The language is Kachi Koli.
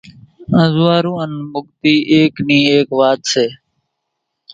انزوئارُو انين مُڳتي ايڪ نِي ايڪ وات سي